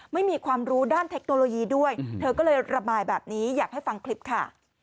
ไม่มีความรู้ด้านเทคโนโลยีด้วยเธอก็เลยระบายแบบนี้อยากให้ฟังคลิปค่ะ